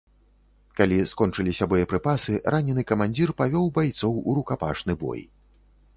Калі скончыліся боепрыпасы, ранены камандзір павёў байцоў у рукапашны бой.